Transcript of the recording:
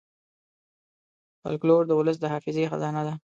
فلکور د ولس د حافظې خزانه ده.